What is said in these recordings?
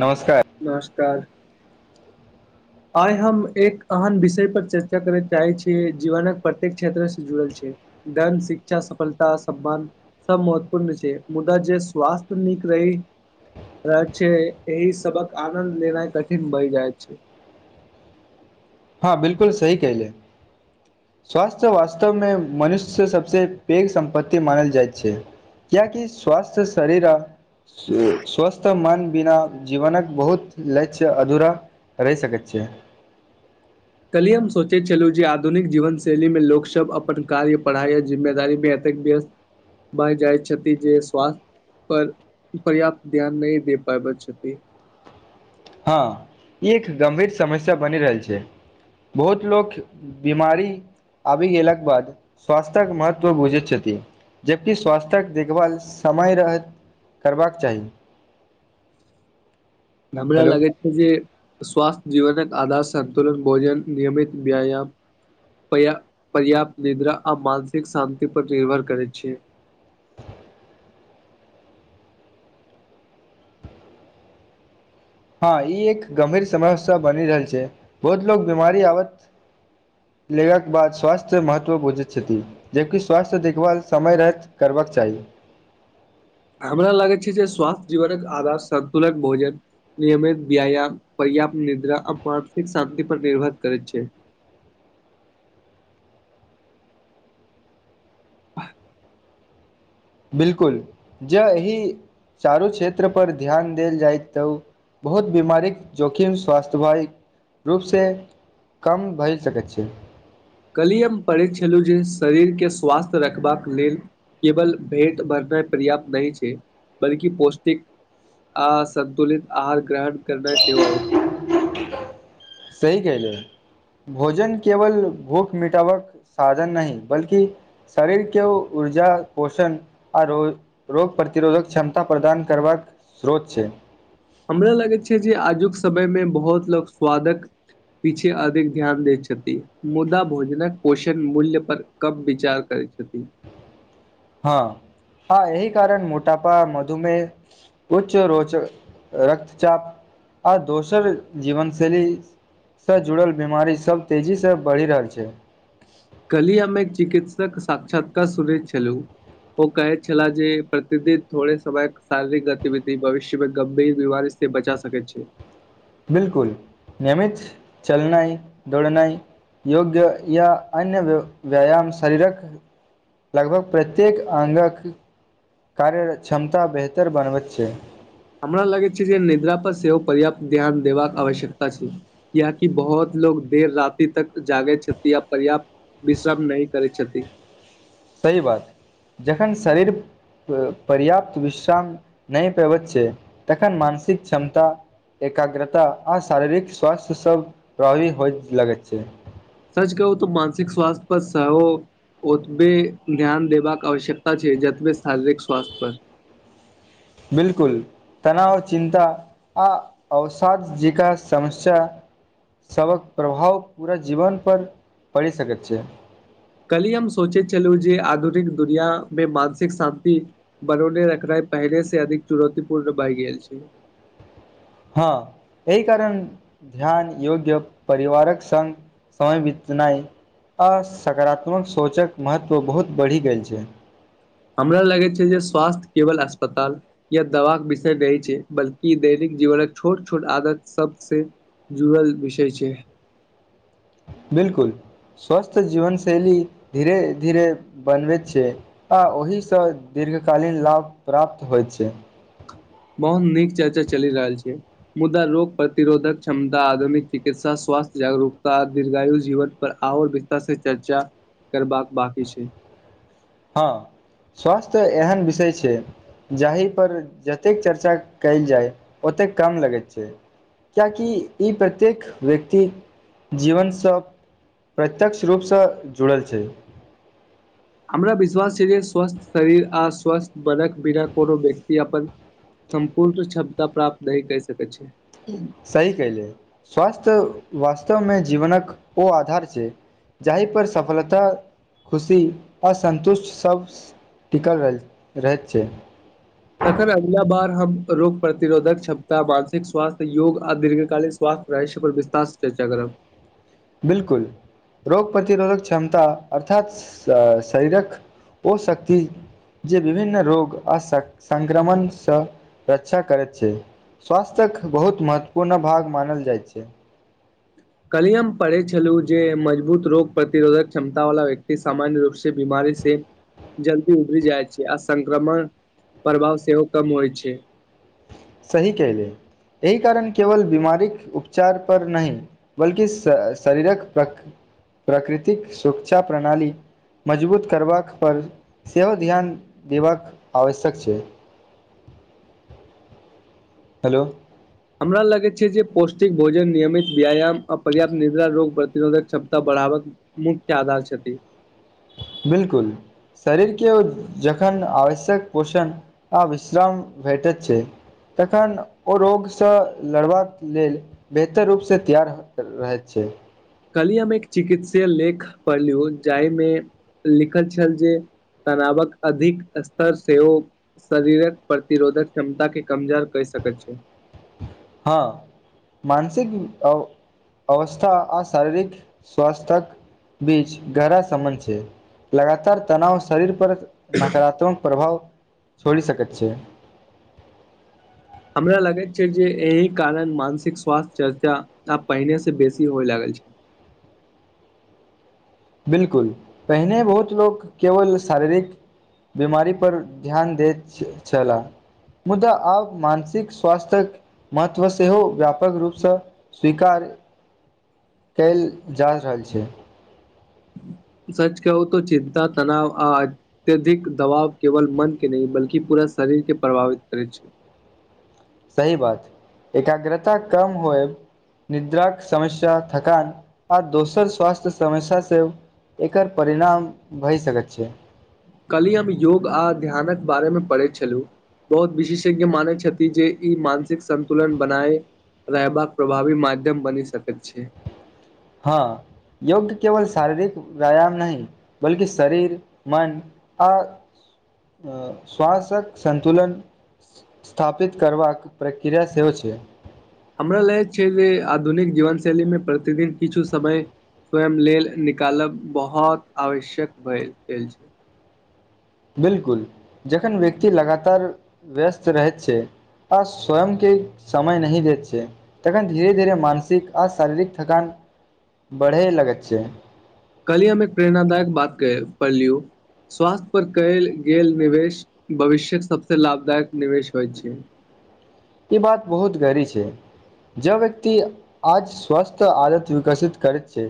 नमस्कार नमस्कार आइ हम एक एहन विषय पर चर्चा करय चाहै छी जीवनक प्रत्येक क्षेत्र से जुड़ल छ धन शिक्षा सफलता सम्मा सभ महत्वपूर्ण छै मुदा जे स्वास्थ्य नीक रह रहै छै एहि सभक आनंद लेनाइ कठिन भ‌इ जाय छ हँ बिल्कुल सही क‌एल स्वास्थ्य वास्तवमे मनुष्य सभसँ पैघ सम्पत्ति मानल जाइत छ कियाकि स्वस्थ शरीर आ स्वस् तऽ मन बिना जीवनक बहुत लक्ष्य अधूरा रहि सकैत छि कल्हि हम सोचैत छलहुँ जे आधुनिक जीवन शैली मे लोकसभ अपन कार्य पढ़ाई आ जिम्मेदारी म एते व्यस्त भए जाइछथ जे स्वास्थ् पर पर्याप्त ध्यान नइ दे पाबैत छथ हँ एक गंभीर समस्या बनि रहल छ बहुत लोक बीमार अभी अलकेबाद स्वास्थ्य महत्त्व बुझे छत जबकि स्वास्थ्यक देखभाल समय रहत करबाक चाह हमरा हेलो लगैत छै जे स्वास्थ्य जीवनक आधार संन्तुलन भोजन नियमित व्याया पर्य पर्याप्त निद्रा आ मानसिक शान्ति पर निर्भर करैत छ हँ ई एक गंभीर समस्या बनि रहल छै बहुत लोग बीमारी आब लेाके बाद स्वास्थ्य महत्व बुझैत छथ जबकि स्वास्थ्य देखभाल समय राति करबाक चाह हमरा लागै छै जे स्वास्थ्य जीवनक आधार सन्तुलक भोज निियमित व्यायाम पर्याप्त निद्रा आ मानसिक शान्ति पर निर्भर करै छ बिलकुल जै एहि चारू क्षेत्र पर ध्यान देल जाय त बहुत बीमारी जोखिम स्वास्थ्य भई रूप स कम भरि सकै छी कल्हि हम पढ़ैत छलहुँ जे शरीरके स्वास्थ्य रखबाक लल केवल पेट भरना पर्याप्त नहि छी बल्कि पौष्टि आ सतुलित आहार ग्रहण करना सेव ह सही कहल भोजन केवल भूख मिटावक साधन नहि बल्क शरीर के ऊर्जा पोष आ रोग रोग प्रतिरोधक क्षमता प्रदान करबाक स्रोत छ हमरा लगैत छै जे आजुक समय मे बहुत लोक स्वाद पीछे अधिक ध्यान देैत छथि मुदा भोजनक पोषण मूल्य प कब विचार करै छथि हँ हँ एहि कारण मोटापा मधुमे उच्च रोचक रक्तचाप आ दोसर जीवन शैल सँ जुड़ल बीमारी सब तेजीसँ बढ़ि रहल छ कल्हि हम एक चिकित्सक साक्षात्कार सुनैत छलहु ओ कहैत छला जे प्रतिदिन थोड़े समय शारीरिक गतिविधि भविष्य मे गंभीर बीमार से बचा सकैत छ बिलकुल नियमित चलनाइ दौड़ना योग्य या अन्य व व्यायम शरीर लगभग प्रत्येक अङ्ग कार्यर क्षमता बेहतर बनबैत छ हमरा लगैत छै जे निद्रा पर सेहो पर्याप्त ध्यान देबाक आवश्यकता छ यहा कि बहुत लोकोग देर राति तक जागे छथि्षति या पर्याप् भीश्र न करै छथ सही बात जखन शरी पर्याप्त विश्राम नहि पेब छै तखन मानसिक क्षमत एकाग्रता आ शारीरिक स्वास्थ्य सब प्रभावी होय लगैत छ सच कहू त मानसिक स्वास्थ्य पर ओतबे ध्यान देबाक आवश्यकता छै जतबे शारीरिक स्वास्थ्य प बिल्कु तनाव चिन्ता आ अवसाद जिका समस्य सबक प्रभाव पूरा जीवन पर पड़ि सकैत छ कली हम सोचैत छलहुँ जे आधुनिक दुनियामे मानसिक शान्त बनौने रखनाइ पहिले से अधिक चुनौतीपूर्ण भए गेल छ हँ एहि कार ध्यान योग्य परिवारक सङग समय भीतना आ सकारात्मक सोचक महत्व बहुत बढ़ि गेल छ हमरा लगै छै जे स्वास्थ्य केवल अस्पता या दवाक विषय रहै छै बल्कि दैनिक जीवनक छोट छोट आदत सबस जुड़ल विषय छ बिलकुल स्वस्थ जीवन शैली धीरे धीरे बनबैत छ आ ओहिसँ दीर्घकालीन लाभ प्राप्त होइत छ बहुत नीक चर्चा चलि रहल छ मुदा रोग प्रतिरोधक क्षमता आधुनिक चिकित्सा स्वास्थ्य जागरूकता दीर्घायु जीव पर आओर विस्तार से चर्चा करबाक बाकी छ हँ स्वास्थ्य एहन विषय छ जाहि पर जतेक चर्चा कयल जाय ओतेक कम लगैत छ किएकि ई प्रत्येक व्यक्ति जीवनस प्रत्यक्ष रूपसँ जुड़ल छ हमरा विश्वास छै जे स्वस्थ शरीर आ स्वस्थ वर्क बिर कोनो व्यक्ति अप संपूर्ण क्षमता प्राप्त नै कहि सक छै सही कयले स्वास्थ्य वास्तवमे जीवनक ओ आधार छै जाहिपर सफलता खुशी असन्तुष्ट सब टिकल रहल रहैत छै तखन अगिला बार हम रोग प्रतिरोधक क्षमता मानसिक स्वास्थ्य योग आ दीर्घकाली ्वासथ रहश्य पर विस्तास चर्चा करब [unintelligible] [unintelligible] बिलकुल रोग प्रतिरोधक क्षमता अर्थात श शरीरक ओ शक्ति जे विभिन्न रोग आ संक्रमणसँ रक्षा करैत छै स्वास्थ्यख बहुत महत्वपूर्ण भाग मानल जाइ छै कल्हि हम पढ़ै छलहुँ जे मजबूत रोग प्रतिरोधक क्षमता वाला व्यक्ति सामान्य रूप से बीमारी से जल्दी उभरि जाइ छै आ संक्रमण प्रभाव सेहो कम होइ छै सही केहले एहि कारण केवल बीमारीके उपचार पर नहि बल्कि श शरीरक प्र प्रकृतिक सुर्षा प्रणाली मजबूत करबाक पर सेहो ध्यान देबाक आवश्यक छै हलो हमरा लगैत छै जे पौष्टिक भोजन नियमित व्यायाम आ पर्याप्त निद्रा रोग प्रतिरोधक क्षमता बढ़ाबक मुख्य आधार छथि बिल्कुल शरीर के ओ जखन आवश्यक पोषण आ विश्राम भेटत छै तखन ओ रोगसँ लड़बाक लेल बेहतर रूपसँ तियार रहैत छै कल्हि हम एक चिकित्सीय लेख पढ़लुं हन जाहिमे लिखल छल जे तनावक अधिक स्तर सेहो शरीरक प्रतिरोधक कमता के कमजोर कहि सकै छै हँ मानसिक अवस्था आ शारीरिक स्वस्थक बीच गहरा संबध छै लगातार तनाव शरीर पर नकारात्मक प्रभाव छोड़ी सकैत छै हमरा लगैत छै जे एहि कारण मानसिक स्वास्थ्य चर्चा आब पहिने से बेसी होय लागल छै बिलकुल पहिने बहुत लोको केवल शारीरिक बीमारी पर ध्यान देइत छला मुदा आब मानसिक स्वास्थक महत्व सेहो व्यापक रूपसँ स्वीकार कयल जा रहल छै सच कहू तऽ चिन्ता तनाव आ अत्यधिक दबाव केवल मन के नहि बल्कि पूरा शरीर के प्रभावित करै छै सही बात छै एकाग्रता कम होए निद्राक समस्या थकान आ दोसर स्वास्थ्य समस्य सेब एकर परिणाम भए सकैत छै कल्हि हम योग आ ध्यानक बारेमे पढ़ै छलुं बहुत विशेषज्ञ मान छथि जे ई मानसिक संन्तुलन बनाए रहबाक प्रभावी माध्यम बनी सकैत छै हँ योग केवल शारीरिक व्यायाम नहि बल्कि शरीर मन आ श्वास्यक संन्तुलन स्थापित करबाक प्रक्रिया सेहो छै हमरा लै छै जे आधुनिक जीवन शैलीमे प्रतिदिन किछु समय स्वयं लेल निकालम बहुत आवश्यक भए भेल छै बिल्कुल जखन व्यक्ति लगातार व्यस्त रहैत छै आ स्वयं के समय नही दैत छै तखन धीरे धीरे मानसिक आ शारीरिक थकान बढ़े लग छ कली हममे एक प्रेरणाादायक बात पढ़ लिय स्वास्थ्य पर कयल गेल निवेश भविष्य्यक सबसँ लाभदायक निवेश होइत छ ई बात बहुत गड़ी छ जब व्यक्ति आज स्वस्थ आदत विकसित करैत छ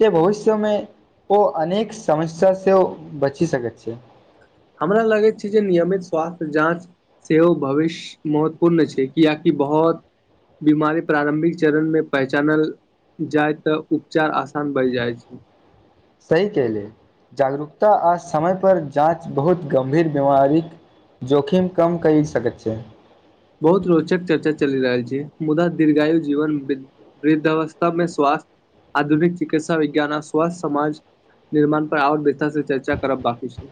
त भविष्यमे ओ अनेक समस्यासँ ओ बचि सकैत छ हमरा लगै छै जे नियमित स्वास्थ्य जाँ सेहो भविष्य महत्वपूर्ण छै कियाकि बहु बीमारी प्रारम्भिक चरण मे पहचान जाय तऽ उपचार आसान बढ़ जाइ छ सही कले जागरूकता आ समय पर जाँच बहुत गम्भीर बीमारी जोखिम कम क‌इ सकै छ बहुत रोचक चर्चा चलि रहल छै मुदा दीर्घायु जीव वृद्धावस्थामे स्वास्थ्य आधुनिक चिकित्सा विज्ञान आ स्व्थ्य समा निर्माण पर आर बेसथ से चर्चा करब बाकी छ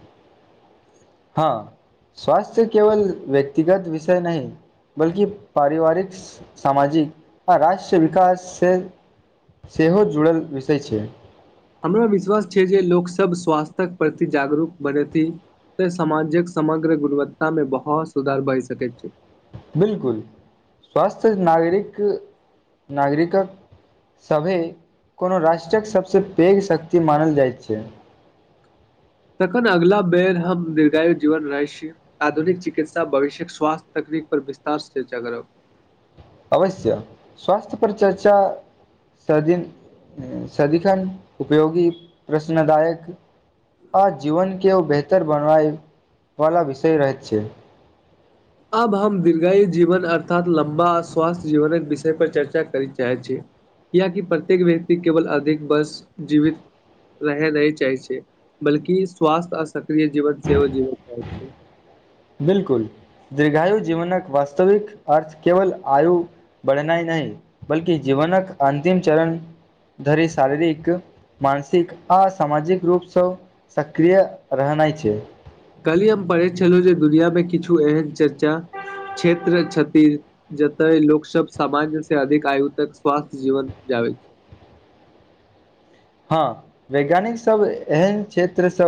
हँ स्वस्थ्य केवल व्यक्तिगत विषय नह बल्कि पारिवारिक सामाजिक आ राष्ट्र विकास स सेहो जुड़ल विषय छ हमरा विश्वास छै जे लोकसभ स्वास्थ्यक प्रति जागरूक बनेथ त साजिक समग्र गुणवत्ता मे बहुत सुधार भए सकैत छ बिल्कुल स्वस्थ नागरिक नागरिक सभ कोनो राष्ट्रक सभसँ पैघ शक्ति मानल जाइत छ तखन अगिला बेर हम दीर्घायु जीवन रह छ आधुनिक चिकित्सा भविष्यक स्वास्थ्य तकनीक पर विस्तार चर्च कर अवश्य स्वासस्थ्य पर चर्च सदिन सदिखन उपयोगी प्रश्नदाय आ जीवनके ओ बेहतर बनबैवला विषय रहैत छ आब हम दीर्घायु जीवन अर्थात लम्बा आ स्वास्थ्य जीवनक विषय पर चर्चा करय चाहे छ या कि प्रत्येक व्यक्ति केवल अधिक बस जीवि रह नहि चाहै छै बल्कि स्वास्थ्य आ सक्रिय जीवन सेहो जीवै चाह छ बिल्कुल दीर्घायु जीवनक वास्तविक अर्थ केवल आय बढ़नाइ नहि बल्कि जीवनक अन्तिम चरण धरी शारीरि मानसिक आ सामाजिक रूपसँ सक्रिय रहनाइ छ कल्हि हम पढ़ैत छलहुँ जे दुनियामे किछु एहन चर्चा क्षेत्र क्षत जते लोक सब सामान्य से अधिक आयु तक स्वास्थ्य जीवन जा छ हँ वैज्ञानिक सब एहन क्षेत्र स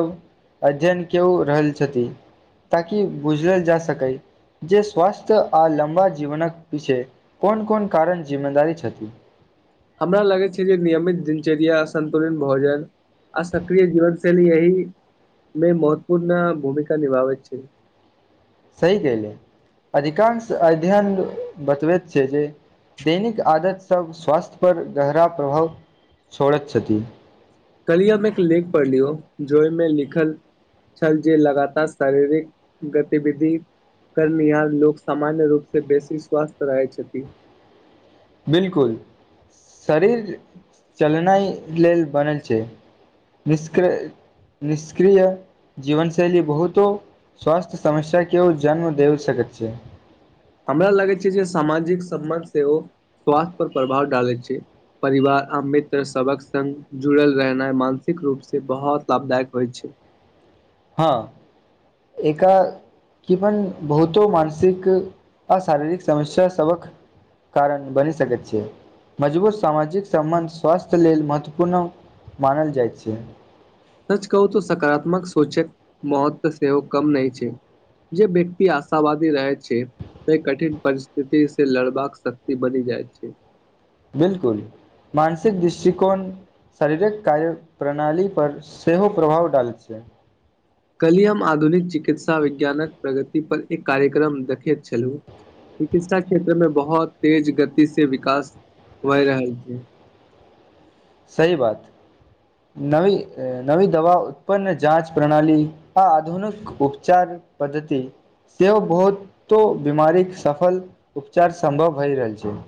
अध्यन के रहल छथि ताकि बुझलल जा सक जे स्वस्थ्य आ लम्बा जीवनक पिछे कोन कोन कारण जिम्मेदारी छथ हमरा लगै छै जे नियमित दिनचर्या संन्तुलित भोज आ सक्रिय जीवनशैली अही मे महत्वपूर्ण भूमिका निभावै छ सही कलै अधिकांश अध्ययन बतबैत छैय ज दैनिक आदत सभ स्वास्थ्य पर गहरा प्रभाव छोड़ैत छथ कल्ली हमे एक लेख पढ़ली हो जोमें लिख चल जे लगातार शारीरिक गतिविध करर्निहार लोकग सामान्य रूपसँ बेसी स्वस्थ रहै छथि बिल्कुल शरीर चलेनाइ लेल बने छ निष्क्र निष्क्रि जीवन शैली बहुतो स्वास्थ्य समस्या केओ जन्म दे सकैत छ हमरा लगै छै जे सामाजिक सम्मर्थ से ओ स्वास्थ्य पर प्रभाव डालैत छ परिवार आ मित्र सबक संग जुड़ल रहनाइ मानसिक रूप से बहुत लाभदायक होइ छ हँ ए कि अपन बहुतो मानसिक आ शारीरिक समस्या सभ कारण बनी सकै छ मजबूत सामाजिक सम्बन्ध स्वास्थ्य लेल महत्वपूर्ण मानल जाइत छ सच कहू त सकारात्मक सोचक मौत्व सेहो कम नहि छ जे व्यक्ति आशावादी रह छ त कठिन परिस्थिति से लड़बाका शक्ति बनि जाय छ बिलकुल मानसिक दृष्टिको शारीरिक कार्य प्रणाली पर सेहो प्रभाव डालैत छ कल्हि हम आधुनिक चिकित्सा विज्ञानक प्रगति पर एक कार्यक्रम देखैत छलहु चिकित्सा क्षेत्र में बहुत तेज गति से विकास होए रहल छ सही बा नवी नवी दवा उत्पन्न जाँच प्रणाली आ आधुनि उपचार पद्धत सेहो बहुतो बीमारीके सफल उपचार सम्भव भए रहल छ